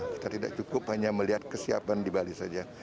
kita tidak cukup hanya melihat kesiapan di bali saja